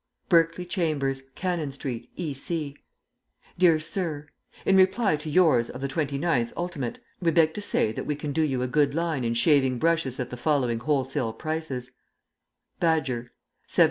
"BERKELEY CHAMBERS, CANNON STREET, E.C. DEAR SIR, In reply to yours of the 29th ult. we beg to say that we can do you a good line in shaving brushes at the following wholesale prices: Badger 70s.